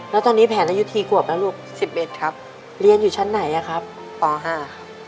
แล้วตอนนี้แผนอายุกี่ขวบแล้วลูก๑๑ครับเรียนอยู่ชั้นไหนอะครับป๕ครับ